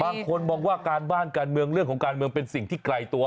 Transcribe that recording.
บางคนมองว่าการบ้านการเมืองเรื่องของการเมืองเป็นสิ่งที่ไกลตัว